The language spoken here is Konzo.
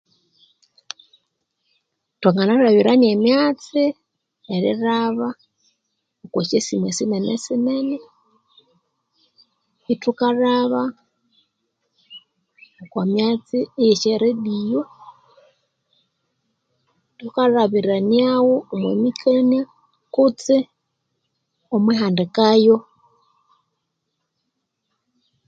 Twanganalabirania emyatsi erlhaba okwasyasimu esinenesinene ithukalhaba okwamyatsi eye sya radio thukalabiraniawo omwamikania kutse omwihandikayo.